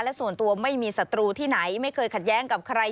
และส่วนตัวไม่มีศัตรูที่ไหนไม่เคยขัดแย้งกับใคร